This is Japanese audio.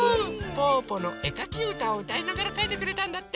「ぽぅぽのえかきうた」をうたいながらかいてくれたんだって。